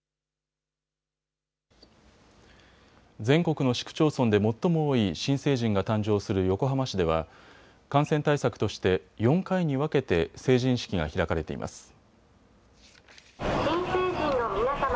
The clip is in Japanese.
全国の市区町村で最も多い新成人が誕生する横浜市では感染対策として４回に分けて成人式が開かれています。